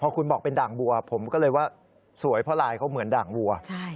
คุณบอกเป็นด่างบัวผมก็เลยว่าสวยเพราะลายเขาเหมือนด่างวัว